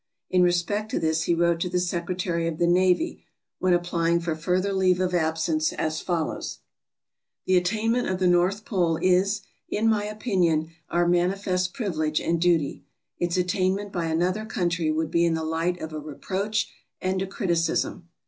In respect to this he wrote to the Secretary of the Navy, when applying for further leave of absence, as follows: "The attainment of the north pole is, in my opinion, our manifest privilege and duty. Its attainment by another country would be in the light of a reproach and a criticism.